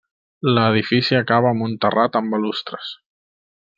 L'edifici acaba amb un terrat amb balustres.